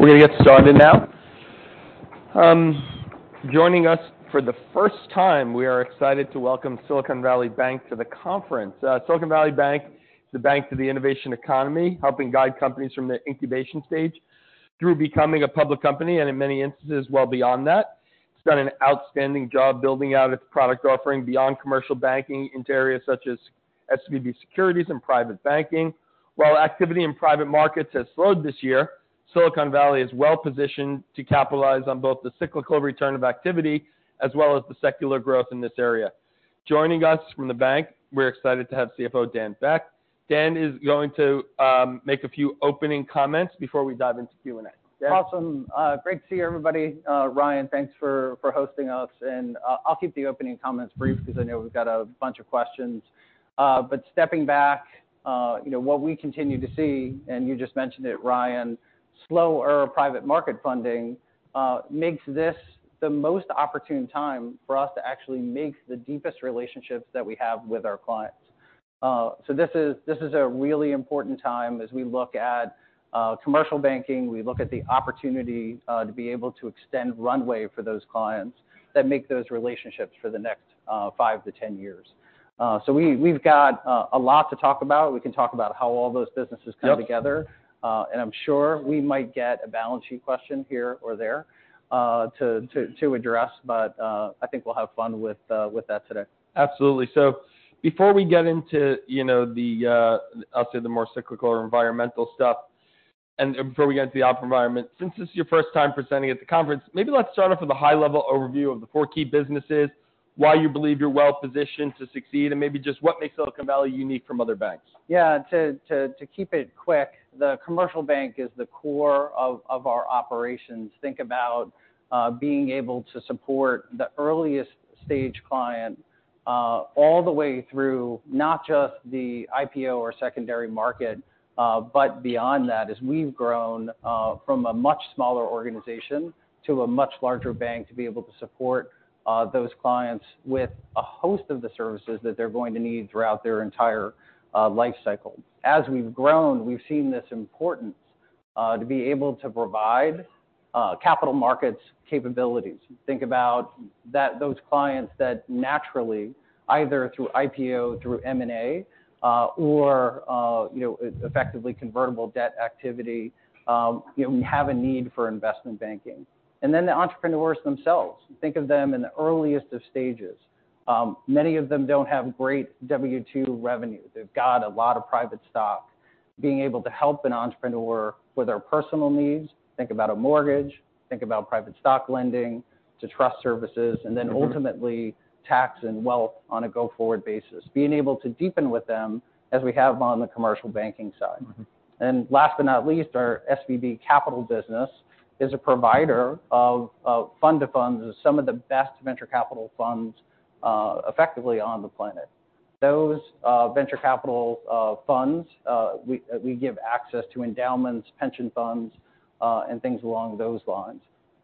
We're going to get started now. Joining us for the first time, we are excited to welcome Silicon Valley Bank to the conference. Silicon Valley Bank is the bank to the innovation economy, helping guide companies from the incubation stage through becoming a public company and, in many instances, well beyond that. It's done an outstanding job building out its product offering beyond commercial banking into areas such as SVB Securities and private banking. While activity in private markets has slowed this year, Silicon Valley is well positioned to capitalize on both the cyclical return of activity as well as the secular growth in this area. Joining us from the bank, we're excited to have CFO Dan Beck. Dan is going to make a few opening comments before we dive into Q&A. Awesome. Great to see you, everybody. Ryan, thanks for hosting us. And I'll keep the opening comments brief because I know we've got a bunch of questions. But stepping back, what we continue to see, and you just mentioned it, Ryan, slower private market funding makes this the most opportune time for us to actually make the deepest relationships that we have with our clients. So this is a really important time as we look at commercial banking. We look at the opportunity to be able to extend runway for those clients that make those relationships for the next five to 10 years. So we've got a lot to talk about. We can talk about how all those businesses come together. And I'm sure we might get a balance sheet question here or there to address. But I think we'll have fun with that today. Absolutely. So before we get into the, I'll say, the more cyclical or environmental stuff, and before we get into the op environment, since this is your first time presenting at the conference, maybe let's start off with a high-level overview of the four key businesses, why you believe you're well positioned to succeed, and maybe just what makes Silicon Valley unique from other banks. Yeah. To keep it quick, the commercial bank is the core of our operations. Think about being able to support the earliest stage client all the way through not just the IPO or secondary market, but beyond that as we've grown from a much smaller organization to a much larger bank to be able to support those clients with a host of the services that they're going to need throughout their entire life cycle. As we've grown, we've seen this importance to be able to provide capital markets capabilities. Think about those clients that naturally, either through IPO, through M&A, or effectively convertible debt activity, have a need for investment banking. And then the entrepreneurs themselves. Think of them in the earliest of stages. Many of them don't have great W-2 revenue. They've got a lot of private stock. Being able to help an entrepreneur with their personal needs, think about a mortgage, think about private stock lending to trust services, and then ultimately tax and wealth on a go-forward basis. Being able to deepen with them as we have on the commercial banking side. And last but not least, our SVB Capital business is a provider of fund of funds, some of the best venture capital funds effectively on the planet. Those venture capital funds, we give access to endowments, pension funds, and things along those lines.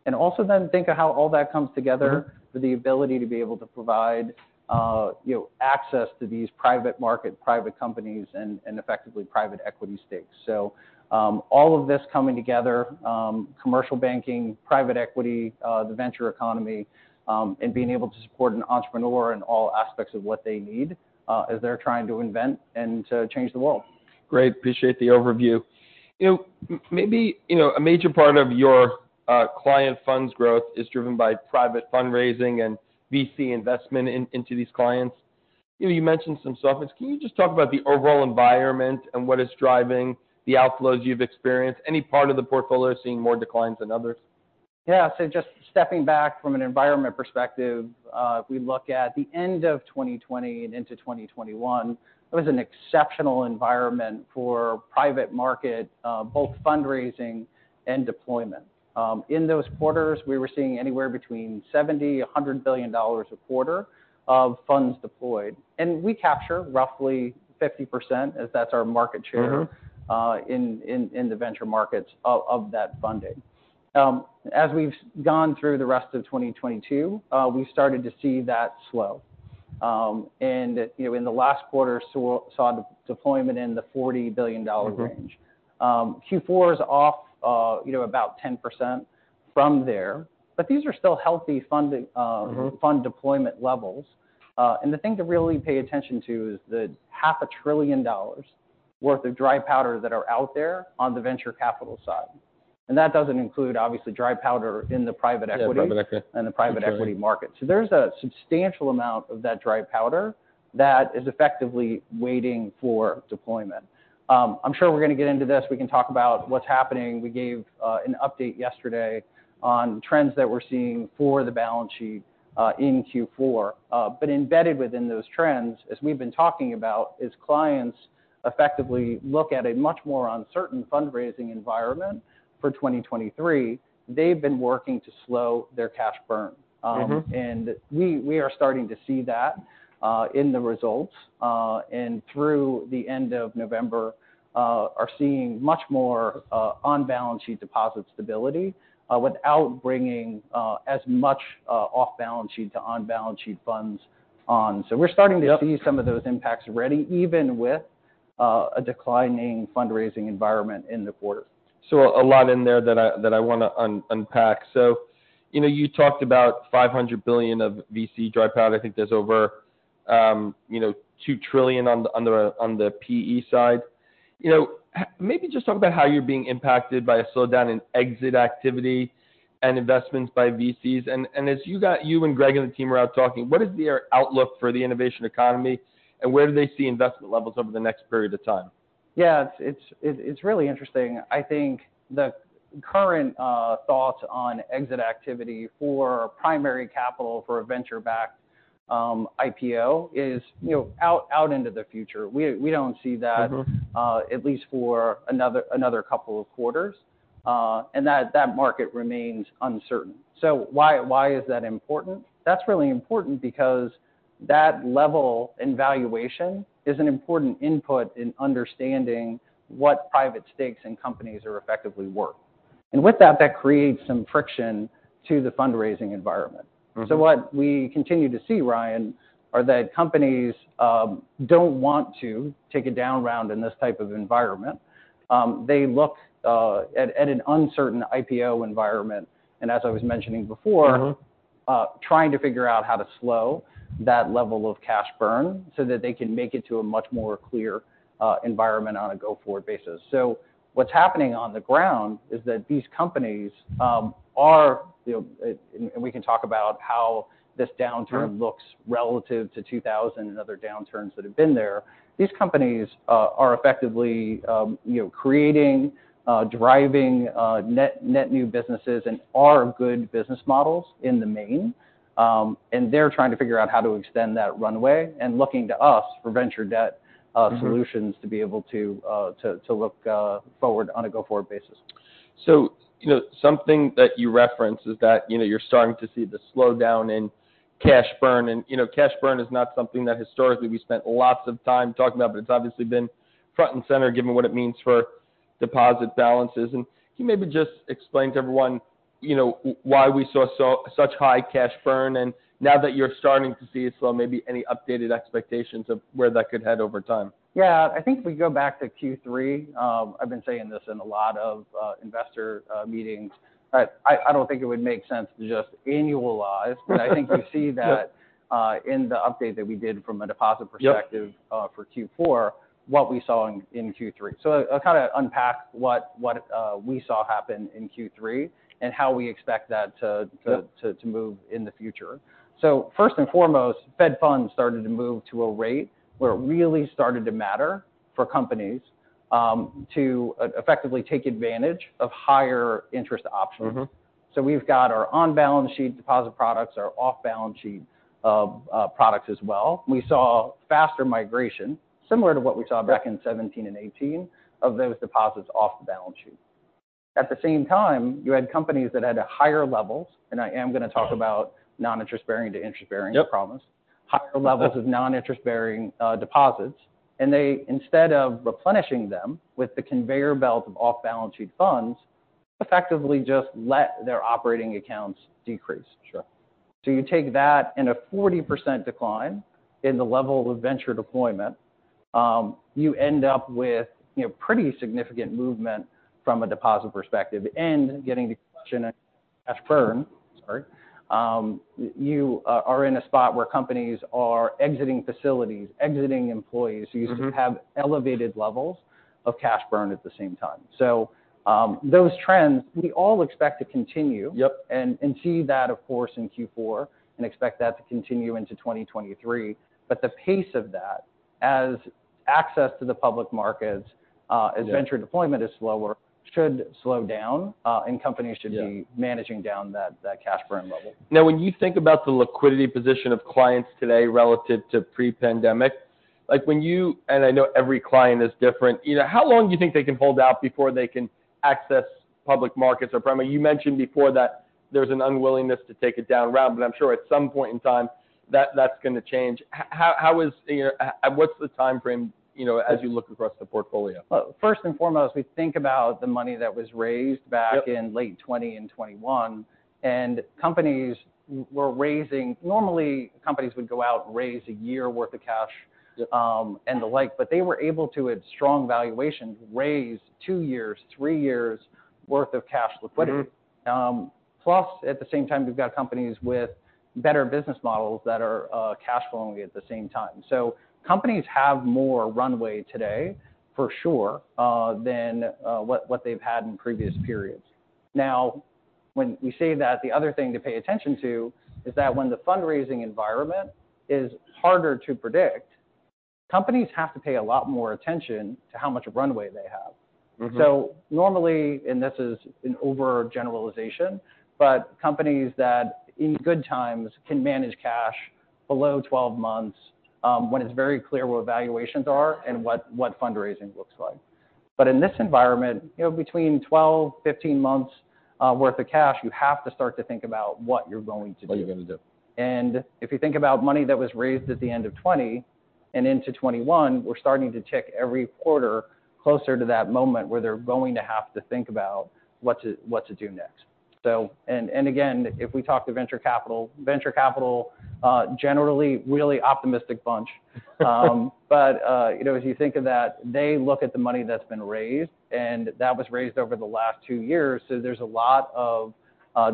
And also then think of how all that comes together for the ability to be able to provide access to these private market, private companies, and effectively private equity stakes. So all of this coming together: commercial banking, private equity, the venture economy, and being able to support an entrepreneur in all aspects of what they need as they're trying to invent and change the world. Great. Appreciate the overview. Maybe a major part of your client funds growth is driven by private fundraising and VC investment into these clients. You mentioned some stuff. Can you just talk about the overall environment and what is driving the outflows you've experienced? Any part of the portfolio seeing more declines than others? Yeah. So just stepping back from an environment perspective, if we look at the end of 2020 and into 2021, it was an exceptional environment for private market, both fundraising and deployment. In those quarters, we were seeing anywhere between $70-$100 billion a quarter of funds deployed. And we capture roughly 50%, as that's our market share in the venture markets of that funding. As we've gone through the rest of 2022, we've started to see that slow. And in the last quarter, saw deployment in the $40 billion range. Q4 is off about 10% from there. But these are still healthy fund deployment levels. And the thing to really pay attention to is the $500 billion worth of dry powder that are out there on the venture capital side. And that doesn't include, obviously, dry powder in the private equity and the private equity market. So there's a substantial amount of that dry powder that is effectively waiting for deployment. I'm sure we're going to get into this. We can talk about what's happening. We gave an update yesterday on trends that we're seeing for the balance sheet in Q4. But embedded within those trends, as we've been talking about, as clients effectively look at a much more uncertain fundraising environment for 2023, they've been working to slow their cash burn. And we are starting to see that in the results. And through the end of November, are seeing much more on-balance sheet deposit stability without bringing as much off-balance sheet to on-balance sheet funds on. So we're starting to see some of those impacts already, even with a declining fundraising environment in the quarter. So a lot in there that I want to unpack. So you talked about $500 billion of VC dry powder. I think there's over $2 trillion on the PE side. Maybe just talk about how you're being impacted by a slowdown in exit activity and investments by VCs. And as you and Greg and the team are out talking, what is their outlook for the innovation economy? And where do they see investment levels over the next period of time? Yeah. It's really interesting. I think the current thoughts on exit activity for primary capital for a venture-backed IPO is out into the future. We don't see that, at least for another couple of quarters. And that market remains uncertain. So why is that important? That's really important because that level in valuation is an important input in understanding what private stakes in companies are effectively worth. And with that, that creates some friction to the fundraising environment. So what we continue to see, Ryan, are that companies don't want to take a down round in this type of environment. They look at an uncertain IPO environment. And as I was mentioning before, trying to figure out how to slow that level of cash burn so that they can make it to a much more clear environment on a go-forward basis. So what's happening on the ground is that these companies are, and we can talk about how this downturn looks relative to 2000 and other downturns that have been there, effectively creating, driving net new businesses and are good business models in the main. And they're trying to figure out how to extend that runway and looking to us for venture debt solutions to be able to look forward on a go-forward basis. So something that you reference is that you're starting to see the slowdown in cash burn. And cash burn is not something that historically we spent lots of time talking about, but it's obviously been front and center given what it means for deposit balances. And can you maybe just explain to everyone why we saw such high cash burn? And now that you're starting to see it slow, maybe any updated expectations of where that could head over time? Yeah. I think if we go back to Q3, I've been saying this in a lot of investor meetings. I don't think it would make sense to just annualize. But I think you see that in the update that we did from a deposit perspective for Q4, what we saw in Q3. So I'll kind of unpack what we saw happen in Q3 and how we expect that to move in the future. So first and foremost, Fed funds started to move to a rate where it really started to matter for companies to effectively take advantage of higher interest options. So we've got our on-balance sheet deposit products, our off-balance sheet products as well. We saw faster migration, similar to what we saw back in 2017 and 2018, of those deposits off the balance sheet. At the same time, you had companies that had higher levels, and I am going to talk about non-interest-bearing to interest-bearing, I promise, higher levels of non-interest-bearing deposits. They, instead of replenishing them with the conveyor belt of off-balance-sheet funds, effectively just let their operating accounts decrease. You take that and a 40% decline in the level of venture deployment, you end up with pretty significant movement from a deposit perspective. Getting to question cash burn, sorry, you are in a spot where companies are exiting facilities, exiting employees who used to have elevated levels of cash burn at the same time. Those trends, we all expect to continue and see that, of course, in Q4 and expect that to continue into 2023. But the pace of that, as access to the public markets, as venture deployment is slower, should slow down, and companies should be managing down that cash burn level. Now, when you think about the liquidity position of clients today relative to pre-pandemic, when you, and I know every client is different, how long do you think they can hold out before they can access public markets or primary? You mentioned before that there's an unwillingness to take a down round, but I'm sure at some point in time, that's going to change. What's the time frame as you look across the portfolio? First and foremost, we think about the money that was raised back in late 2020 and 2021. Companies were raising, normally, companies would go out and raise a year's worth of cash and the like. They were able to, at strong valuation, raise two years, three years' worth of cash liquidity. Plus, at the same time, we've got companies with better business models that are cash-flowing at the same time. Companies have more runway today, for sure, than what they've had in previous periods. Now, when we say that, the other thing to pay attention to is that when the fundraising environment is harder to predict, companies have to pay a lot more attention to how much runway they have. So normally, and this is an overgeneralization, but companies that in good times can manage cash below 12 months when it's very clear what valuations are and what fundraising looks like. But in this environment, between 12-15 months' worth of cash, you have to start to think about what you're going to do. What you're going to do. And if you think about money that was raised at the end of 2020 and into 2021, we're starting to tick every quarter closer to that moment where they're going to have to think about what to do next. And again, if we talk to venture capital generally, really optimistic bunch. But as you think of that, they look at the money that's been raised, and that was raised over the last two years. So there's a lot of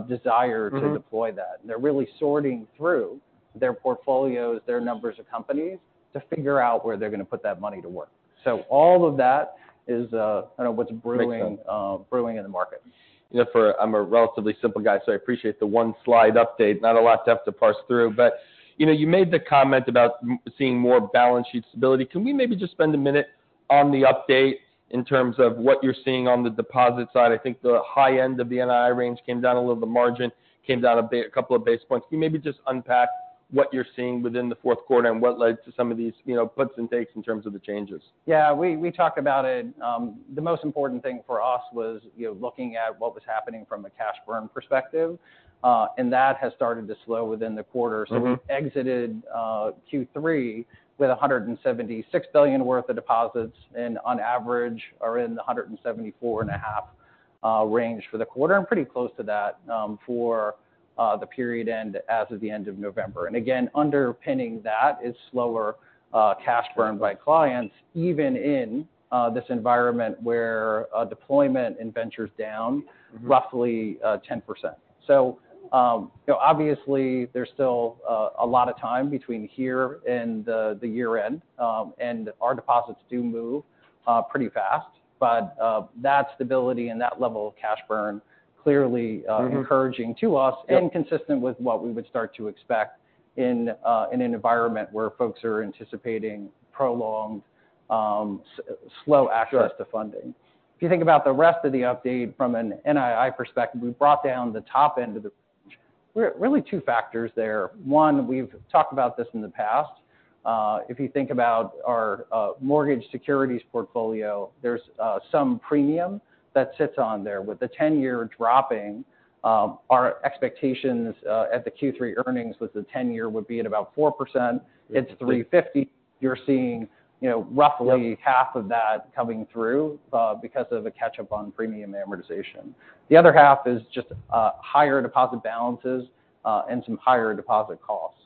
desire to deploy that. And they're really sorting through their portfolios, their numbers of companies to figure out where they're going to put that money to work. So all of that is what's brewing in the market. I'm a relatively simple guy, so I appreciate the one slide update. Not a lot to have to parse through. But you made the comment about seeing more balance sheet stability. Can we maybe just spend a minute on the update in terms of what you're seeing on the deposit side? I think the high end of the NII range came down a little bit. Margin came down a couple of basis points. Can you maybe just unpack what you're seeing within the Q4 and what led to some of these puts and takes in terms of the changes? Yeah. We talked about it. The most important thing for us was looking at what was happening from a cash burn perspective, and that has started to slow within the quarter, so we exited Q3 with $176 billion worth of deposits and on average are in the $174.5 billion range for the quarter and pretty close to that for the period end as of the end of November. And again, underpinning that is slower cash burn by clients, even in this environment where deployment in venture's down roughly 10%. So obviously, there's still a lot of time between here and the year end, and our deposits do move pretty fast, but that stability and that level of cash burn clearly encouraging to us and consistent with what we would start to expect in an environment where folks are anticipating prolonged, slow access to funding. If you think about the rest of the update from an NII perspective, we brought down the top end of the range. Really two factors there. One, we've talked about this in the past. If you think about our mortgage securities portfolio, there's some premium that sits on there. With the 10-year dropping, our expectations at Q3 earnings with the 10-year would be at about 4%. It's 3.50%. You're seeing roughly half of that coming through because of a catch-up on premium amortization. The other half is just higher deposit balances and some higher deposit costs.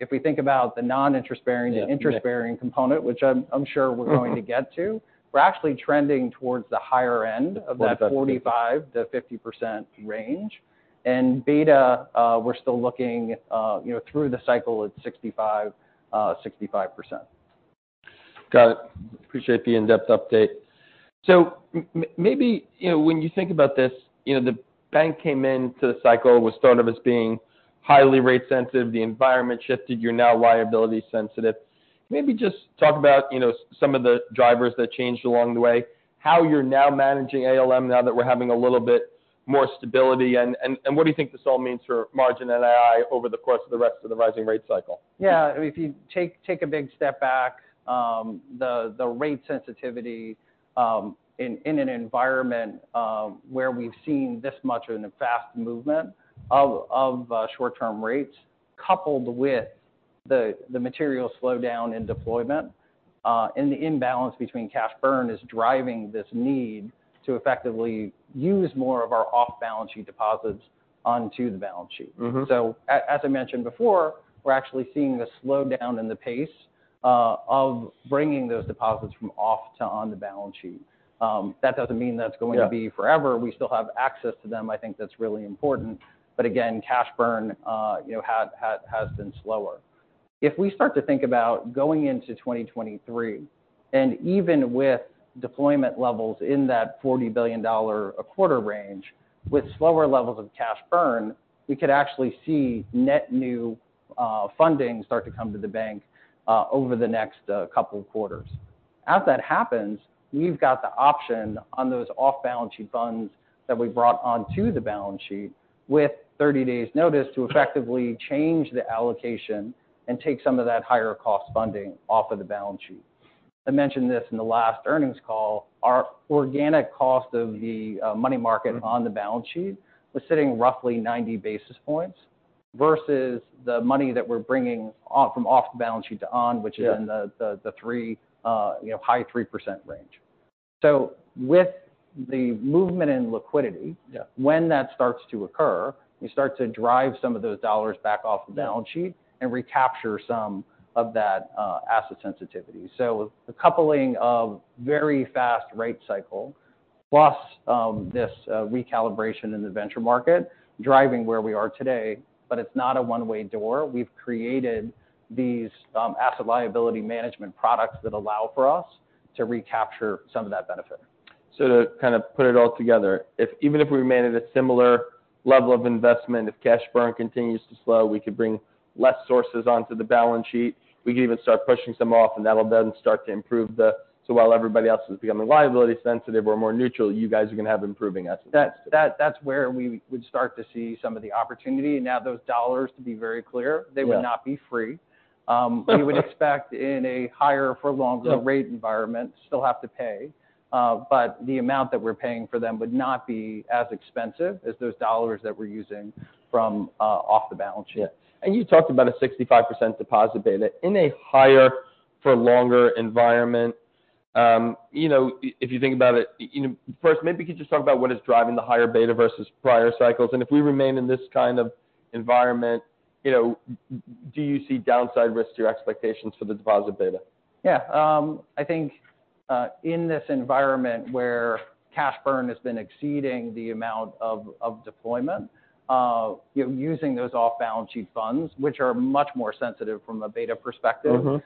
If we think about the non-interest bearing to interest bearing component, which I'm sure we're going to get to, we're actually trending towards the higher end of that 45%-50% range. And beta, we're still looking through the cycle at 65, 65%. Got it. Appreciate the in-depth update. So maybe when you think about this, the bank came into the cycle was thought of as being highly rate-sensitive. The environment shifted. You're now liability-sensitive. Maybe just talk about some of the drivers that changed along the way, how you're now managing ALM now that we're having a little bit more stability, and what do you think this all means for margin NII over the course of the rest of the rising rate cycle? Yeah. If you take a big step back, the rate sensitivity in an environment where we've seen this much of a fast movement of short-term rates coupled with the material slowdown in deployment and the imbalance between cash burn is driving this need to effectively use more of our off-balance sheet deposits onto the balance sheet. So as I mentioned before, we're actually seeing the slowdown in the pace of bringing those deposits from off to on the balance sheet. That doesn't mean that's going to be forever. We still have access to them. I think that's really important. But again, cash burn has been slower. If we start to think about going into 2023, and even with deployment levels in that $40 billion a quarter range, with slower levels of cash burn, we could actually see net new funding start to come to the bank over the next couple of quarters. As that happens, we've got the option on those off-balance sheet funds that we brought onto the balance sheet with 30 days' notice to effectively change the allocation and take some of that higher-cost funding off of the balance sheet. I mentioned this in the last earnings call. Our organic cost of the money market on the balance sheet was sitting roughly 90 basis points versus the money that we're bringing from off the balance sheet to on, which is in the high 3% range. So with the movement in liquidity, when that starts to occur, we start to drive some of those dollars back off the balance sheet and recapture some of that asset sensitivity. So the coupling of very fast rate cycle, plus this recalibration in the venture market, driving where we are today, but it's not a one-way door. We've created these asset liability management products that allow for us to recapture some of that benefit. So to kind of put it all together, even if we remain at a similar level of investment, if cash burn continues to slow, we could bring less sources onto the balance sheet. We could even start pushing some off, and that'll then start to improve the - so while everybody else is becoming liability-sensitive, we're more neutral, you guys are going to have improving assets. That's where we would start to see some of the opportunity. Now, those dollars, to be very clear, they would not be free. We would expect in a higher-for-longer rate environment, still have to pay. But the amount that we're paying for them would not be as expensive as those dollars that we're using from off-balance sheet. And you talked about a 65% deposit beta. In a higher-for-longer environment, if you think about it, first, maybe you could just talk about what is driving the higher beta versus prior cycles. And if we remain in this kind of environment, do you see downside risks or expectations for the deposit beta? Yeah. I think in this environment where cash burn has been exceeding the amount of deployment, using those off-balance sheet funds, which are much more sensitive from a beta perspective,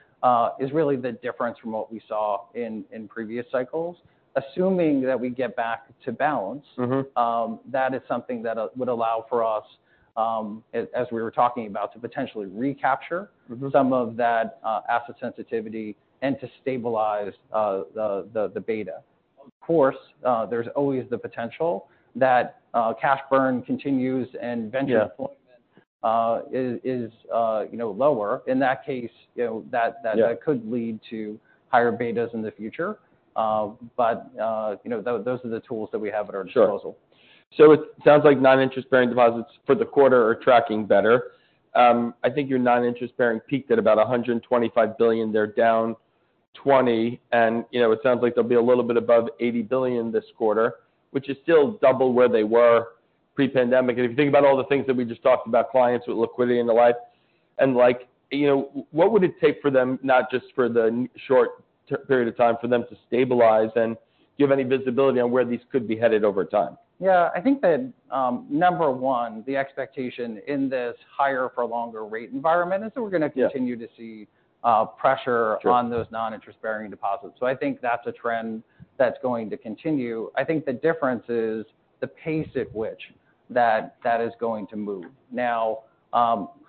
is really the difference from what we saw in previous cycles. Assuming that we get back to balance, that is something that would allow for us, as we were talking about, to potentially recapture some of that asset sensitivity and to stabilize the beta. Of course, there's always the potential that cash burn continues and venture deployment is lower. In that case, that could lead to higher betas in the future. But those are the tools that we have at our disposal. It sounds like non-interest-bearing deposits for the quarter are tracking better. I think your non-interest-bearing peaked at about $125 billion. They're down $20 billion. It sounds like they'll be a little bit above $80 billion this quarter, which is still double where they were pre-pandemic. If you think about all the things that we just talked about, clients with liquidity and the like, and what would it take for them, not just for the short period of time, for them to stabilize? Do you have any visibility on where these could be headed over time? Yeah. I think that number one, the expectation in this higher-for-longer rate environment is that we're going to continue to see pressure on those non-interest-bearing deposits. So I think that's a trend that's going to continue. I think the difference is the pace at which that is going to move. Now,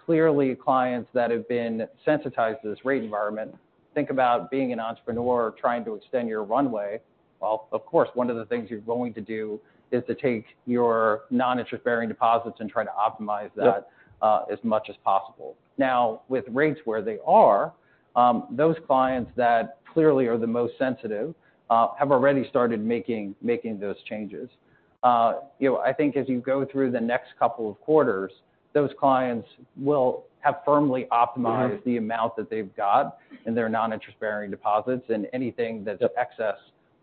clearly, clients that have been sensitized to this rate environment, think about being an entrepreneur trying to extend your runway. Well, of course, one of the things you're going to do is to take your non-interest-bearing deposits and try to optimize that as much as possible. Now, with rates where they are, those clients that clearly are the most sensitive have already started making those changes. I think as you go through the next couple of quarters, those clients will have firmly optimized the amount that they've got in their non-interest-bearing deposits. Anything that's excess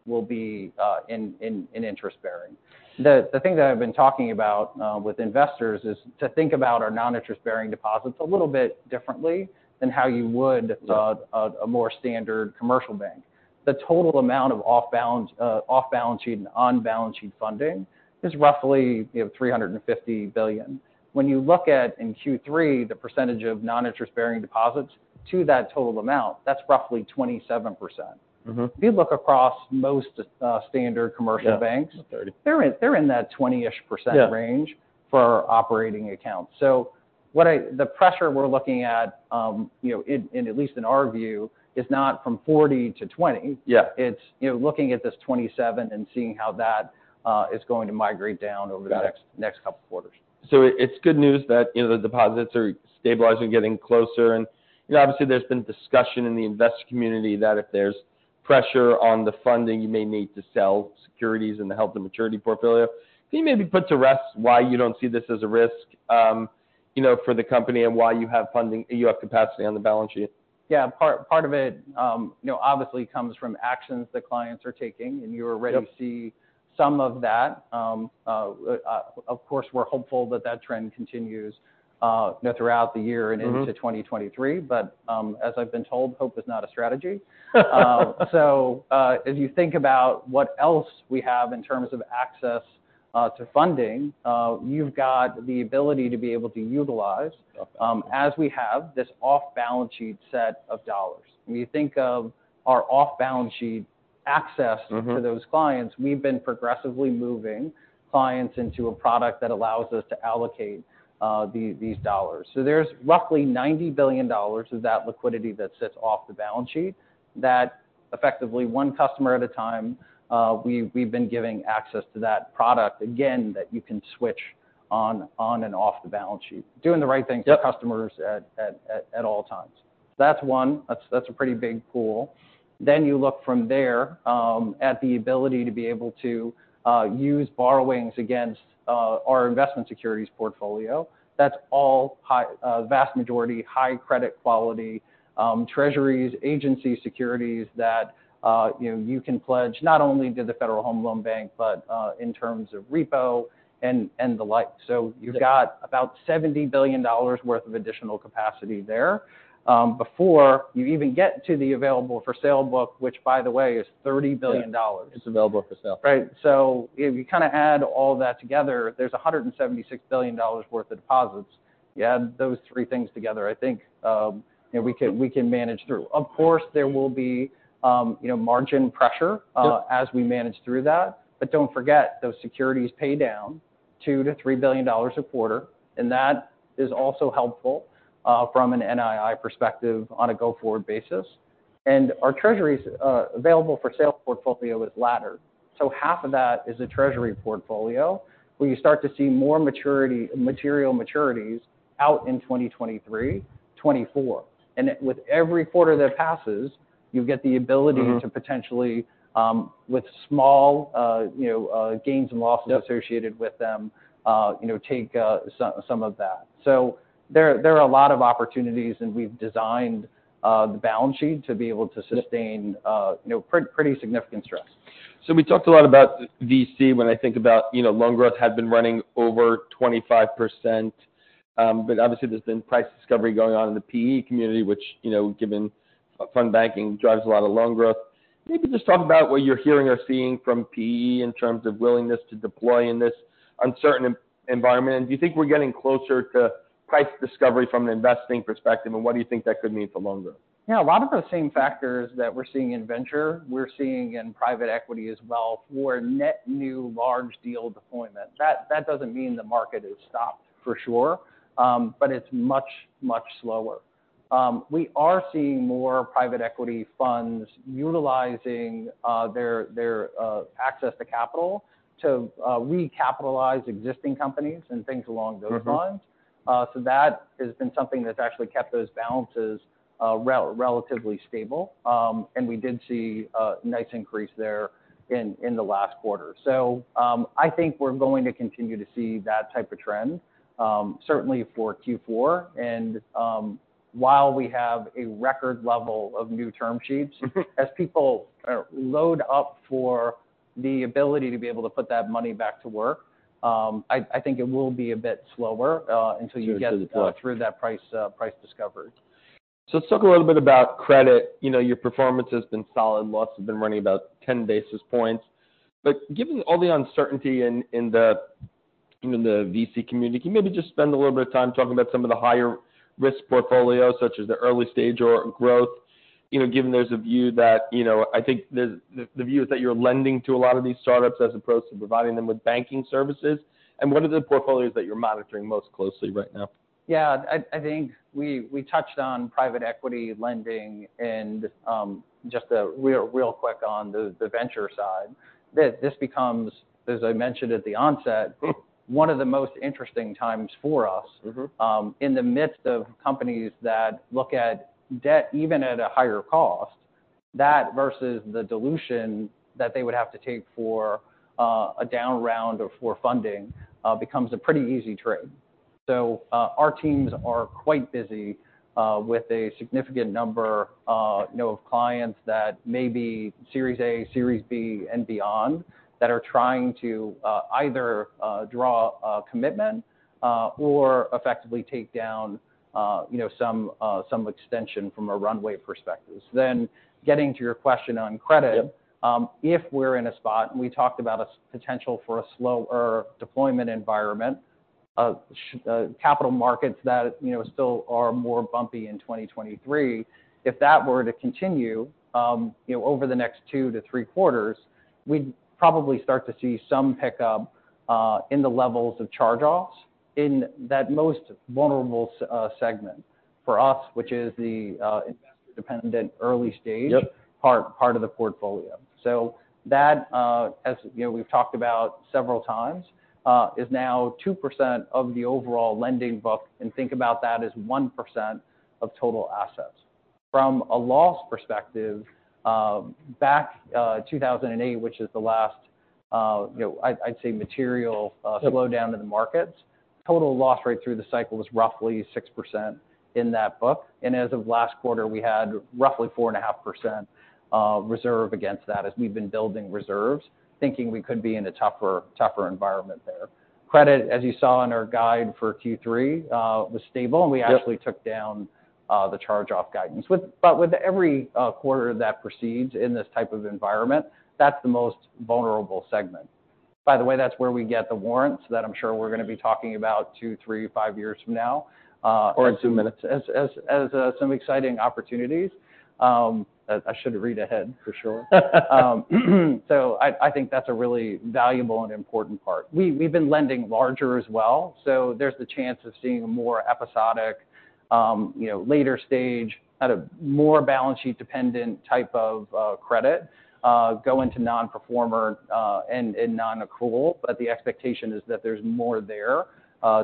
will be in interest-bearing. The thing that I've been talking about with investors is to think about our non-interest-bearing deposits a little bit differently than how you would a more standard commercial bank. The total amount of off-balance-sheet and on-balance-sheet funding is roughly $350 billion. When you look at in Q3, the percentage of non-interest-bearing deposits to that total amount, that's roughly 27%. If you look across most standard commercial banks, they're in that 20-ish% range for operating accounts. So the pressure we're looking at, at least in our view, is not from 40% to 20%. It's looking at this 27% and seeing how that is going to migrate down over the next couple of quarters. It's good news that the deposits are stabilizing and getting closer. Obviously, there's been discussion in the investor community that if there's pressure on the funding, you may need to sell securities in the held to maturity portfolio. Can you maybe put to rest why you don't see this as a risk for the company and why you have capacity on the balance sheet? Yeah. Part of it obviously comes from actions that clients are taking. And you already see some of that. Of course, we're hopeful that that trend continues throughout the year and into 2023. But as I've been told, hope is not a strategy. So as you think about what else we have in terms of access to funding, you've got the ability to be able to utilize, as we have, this off-balance sheet set of dollars. When you think of our off-balance sheet access to those clients, we've been progressively moving clients into a product that allows us to allocate these dollars. So there's roughly $90 billion of that liquidity that sits off the balance sheet that effectively one customer at a time, we've been giving access to that product, again, that you can switch on and off the balance sheet, doing the right things for customers at all times. That's one. That's a pretty big pool. Then you look from there at the ability to be able to use borrowings against our investment securities portfolio. That's the vast majority high credit quality treasuries, agency securities that you can pledge not only to the Federal Home Loan Bank, but in terms of repo and the like. So you've got about $70 billion worth of additional capacity there before you even get to the available for sale book, which, by the way, is $30 billion. It's available for sale. Right. So if you kind of add all that together, there's $176 billion worth of deposits. You add those three things together, I think we can manage through. Of course, there will be margin pressure as we manage through that. But don't forget, those securities pay down $2-$3 billion a quarter. And that is also helpful from an NII perspective on a go-forward basis. And our treasuries available for sale portfolio is laddered. So half of that is a treasury portfolio where you start to see more material maturities out in 2023, 2024. And with every quarter that passes, you get the ability to potentially, with small gains and losses associated with them, take some of that. So there are a lot of opportunities. And we've designed the balance sheet to be able to sustain pretty significant stress. So we talked a lot about VC. When I think about loan growth had been running over 25%. But obviously, there's been price discovery going on in the PE community, which, given fund banking, drives a lot of loan growth. Maybe just talk about what you're hearing or seeing from PE in terms of willingness to deploy in this uncertain environment. And do you think we're getting closer to price discovery from an investing perspective? And what do you think that could mean for loan growth? Yeah. A lot of those same factors that we're seeing in venture, we're seeing in private equity as well for net new large deal deployment. That doesn't mean the market is stopped for sure, but it's much, much slower. We are seeing more private equity funds utilizing their access to capital to recapitalize existing companies and things along those lines. So that has been something that's actually kept those balances relatively stable. And we did see a nice increase there in the last quarter. So I think we're going to continue to see that type of trend, certainly for Q4. And while we have a record level of new term sheets, as people load up for the ability to be able to put that money back to work, I think it will be a bit slower until you get through that price discovery. So let's talk a little bit about credit. Your performance has been solid. Losses have been running about 10 basis points. But given all the uncertainty in the VC community, can you maybe just spend a little bit of time talking about some of the higher risk portfolios, such as the early stage or growth, given there's a view that I think the view is that you're lending to a lot of these startups as opposed to providing them with banking services? And what are the portfolios that you're monitoring most closely right now? Yeah. I think we touched on private equity lending and just real quick on the venture side. This becomes, as I mentioned at the onset, one of the most interesting times for us. In the midst of companies that look at debt even at a higher cost, that versus the dilution that they would have to take for a down round or for funding becomes a pretty easy trade. So our teams are quite busy with a significant number of clients that may be Series A, Series B, and beyond that are trying to either draw a commitment or effectively take down some extension from a runway perspective. So then getting to your question on credit, if we're in a spot, and we talked about a potential for a slower deployment environment, capital markets that still are more bumpy in 2023, if that were to continue over the next two to three quarters, we'd probably start to see some pickup in the levels of charge-offs in that most vulnerable segment for us, which is the investor-dependent early stage part of the portfolio. So that, as we've talked about several times, is now 2% of the overall lending book. And think about that as 1% of total assets. From a loss perspective, back 2008, which is the last, I'd say, material slowdown in the markets, total loss rate through the cycle was roughly 6% in that book. And as of last quarter, we had roughly 4.5% reserve against that as we've been building reserves, thinking we could be in a tougher environment there. Credit, as you saw in our guide for Q3, was stable. And we actually took down the charge-off guidance. But with every quarter that proceeds in this type of environment, that's the most vulnerable segment. By the way, that's where we get the warrants that I'm sure we're going to be talking about two, three, five years from now. Or in two minutes. As some exciting opportunities. I shouldn't read ahead, for sure. So I think that's a really valuable and important part. We've been lending larger as well. So there's the chance of seeing a more episodic, later stage, at a more balance sheet dependent type of credit go into nonperforming and non-accrual. But the expectation is that there's more there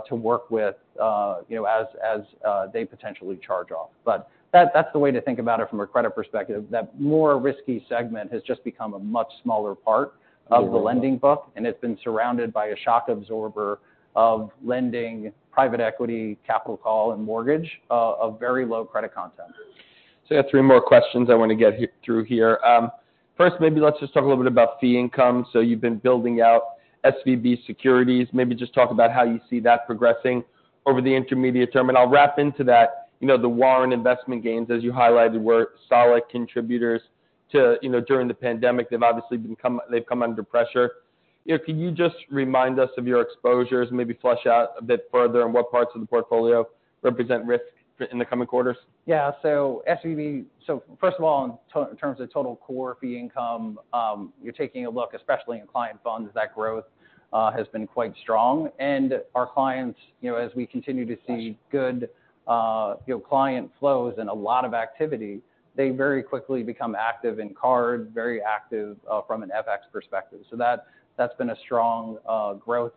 to work with as they potentially charge off. But that's the way to think about it from a credit perspective. That more risky segment has just become a much smaller part of the lending book. And it's been surrounded by a shock absorber of lending, private equity, capital call, and mortgage of very low credit content. So I have three more questions I want to get through here. First, maybe let's just talk a little bit about fee income. So you've been building out SVB Securities. Maybe just talk about how you see that progressing over the intermediate term. And I'll wrap into that. The warrant investment gains, as you highlighted, were solid contributors during the pandemic. They've obviously come under pressure. Can you just remind us of your exposures, maybe flesh out a bit further on what parts of the portfolio represent risk in the coming quarters? Yeah, so first of all, in terms of total core fee income, you're taking a look, especially in client funds, that growth has been quite strong, and our clients, as we continue to see good client flows and a lot of activity, they very quickly become active in cards, very active from an FX perspective, so that's been a strong growth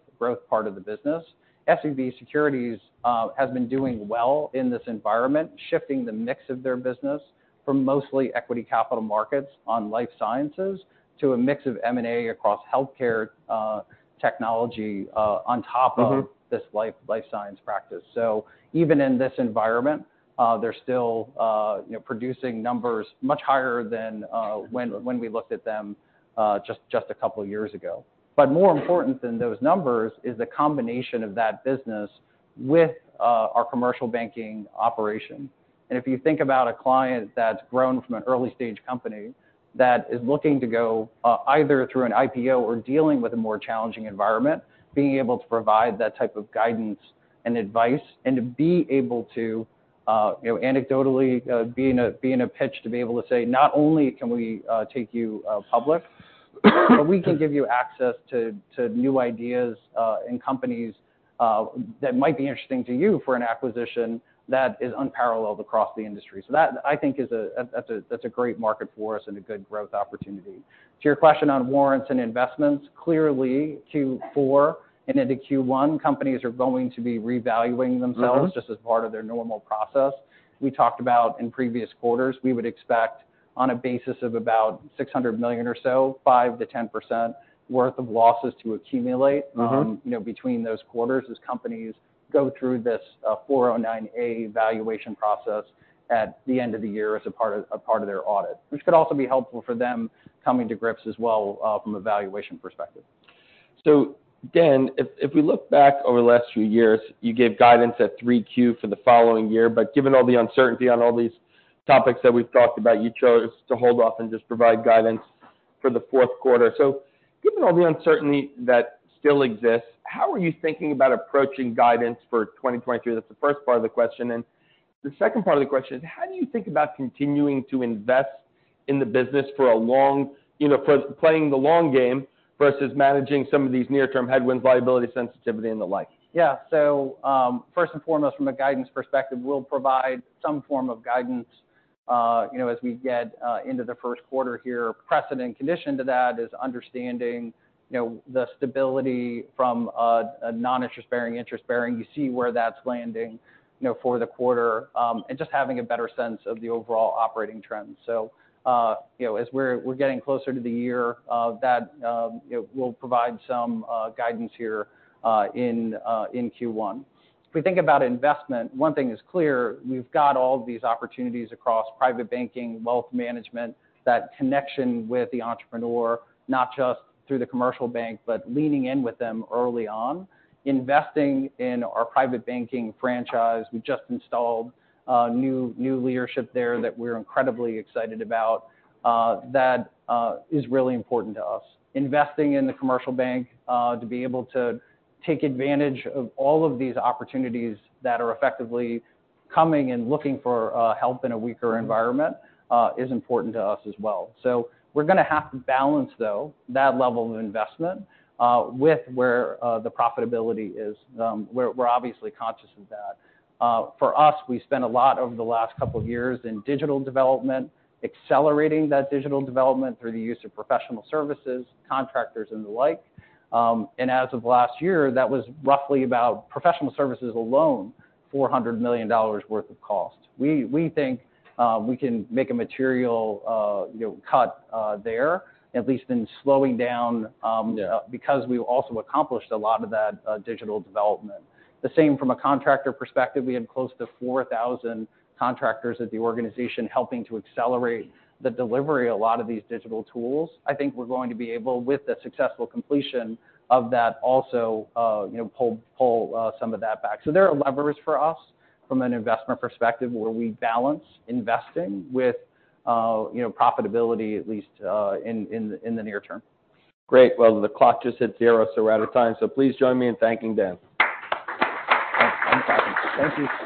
part of the business. SVB Securities has been doing well in this environment, shifting the mix of their business from mostly equity capital markets on life sciences to a mix of M&A across healthcare technology on top of this life science practice, so even in this environment, they're still producing numbers much higher than when we looked at them just a couple of years ago, but more important than those numbers is the combination of that business with our commercial banking operation. If you think about a client that's grown from an early stage company that is looking to go either through an IPO or dealing with a more challenging environment, being able to provide that type of guidance and advice and to be able to anecdotally be in a pitch to be able to say, not only can we take you public, but we can give you access to new ideas and companies that might be interesting to you for an acquisition that is unparalleled across the industry. That, I think, is a great market for us and a good growth opportunity. To your question on warrants and investments, clearly Q4 and into Q1, companies are going to be revaluing themselves just as part of their normal process. We talked about in previous quarters, we would expect on a basis of about $600 million or so, 5%-10% worth of losses to accumulate between those quarters as companies go through this 409A valuation process at the end of the year as a part of their audit, which could also be helpful for them coming to grips as well from a valuation perspective. So Dan, if we look back over the last few years, you gave guidance at 3Q for the following year. But given all the uncertainty on all these topics that we've talked about, you chose to hold off and just provide guidance for the Q4. So given all the uncertainty that still exists, how are you thinking about approaching guidance for 2023? That's the first part of the question. And the second part of the question is, how do you think about continuing to invest in the business for a long, for playing the long game versus managing some of these near-term headwinds, liability sensitivity, and the like? Yeah. So, first and foremost, from a guidance perspective, we'll provide some form of guidance as we get into the Q1 here. Prerequisite condition to that is understanding the stability from a non-interest bearing, interest bearing. You see where that's landing for the quarter and just having a better sense of the overall operating trends. So as we're getting closer to the year, that will provide some guidance here in Q1. If we think about investment, one thing is clear. We've got all these opportunities across private banking, wealth management, that connection with the entrepreneur, not just through the commercial bank, but leaning in with them early on, investing in our private banking franchise. We just installed new leadership there that we're incredibly excited about. That is really important to us. Investing in the commercial bank to be able to take advantage of all of these opportunities that are effectively coming and looking for help in a weaker environment is important to us as well. So we're going to have to balance, though, that level of investment with where the profitability is. We're obviously conscious of that. For us, we spent a lot over the last couple of years in digital development, accelerating that digital development through the use of professional services, contractors, and the like. And as of last year, that was roughly about professional services alone, $400 million worth of cost. We think we can make a material cut there, at least in slowing down because we also accomplished a lot of that digital development. The same from a contractor perspective. We had close to 4,000 contractors at the organization helping to accelerate the delivery of a lot of these digital tools. I think we're going to be able, with the successful completion of that, also pull some of that back. So there are levers for us from an investment perspective where we balance investing with profitability, at least in the near term. Great. Well, the clock just hit zero, so we're out of time. So please join me in thanking Dan. Thank you.